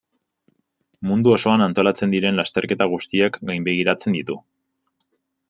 Mundu osoan antolatzen diren lasterketa guztiak gainbegiratzen ditu.